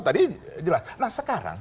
tadi jelas nah sekarang